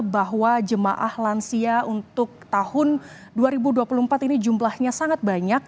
bahwa jemaah lansia untuk tahun dua ribu dua puluh empat ini jumlahnya sangat banyak